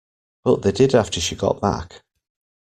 But they did after she got back.